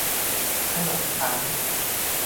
ขนมชั้น